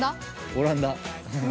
◆オランダ。